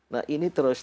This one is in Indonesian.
nah ini terus terang